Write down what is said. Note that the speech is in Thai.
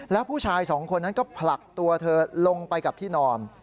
แล้วผู้ชายสองคนนั้นก็ผลักตัวเธอลงไปกับที่นอน